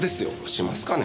しますかね？